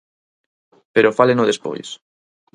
Pero fáleno despois.